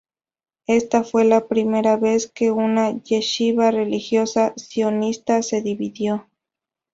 Esta fue la primera vez que una yeshivá religiosa sionista se dividió.